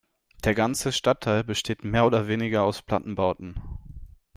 Der ganze Stadtteil besteht mehr oder weniger aus Plattenbauten.